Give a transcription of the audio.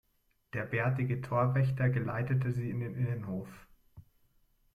Der bärtige Torwächter geleitete sie in den Innenhof.